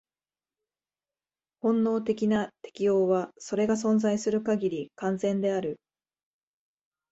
本能的な適応は、それが存在する限り、完全である。